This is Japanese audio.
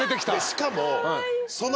しかも。